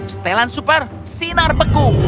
stellan super sinar beku